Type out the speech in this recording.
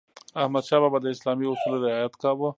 احمدشاه بابا د اسلامي اصولو رعایت کاوه.